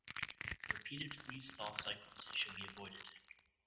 Repeated freeze-thaw cycles should be avoided.